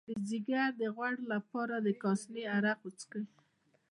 د ځیګر د غوړ لپاره د کاسني عرق وڅښئ